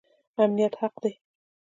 امنیت حق دی